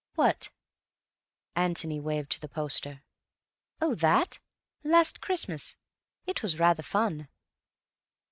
"What?" Antony waved to the poster. "Oh, that? Last Christmas. It was rather fun."